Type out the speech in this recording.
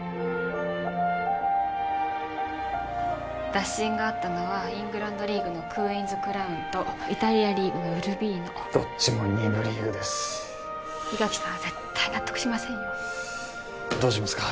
打診があったのはイングランドリーグのクーインズクラウンとイタリアリーグのウルビーノどっちも２部リーグです伊垣さんは絶対納得しませんよどうしますか？